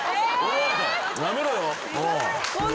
やめろよ